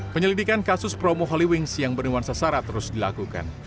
penyelidikan kasus promo holy wings yang bernuansa sara terus dilakukan